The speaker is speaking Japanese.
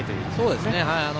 そうですね。